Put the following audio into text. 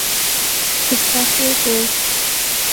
استخر گود